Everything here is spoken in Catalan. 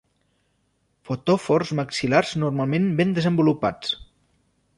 Fotòfors maxil·lars normalment ben desenvolupats.